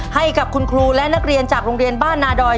ให้กับคุณครูและนักเรียนจากโรงเรียนบ้านนาดอย